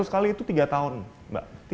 tiga ratus kali itu tiga tahun mbak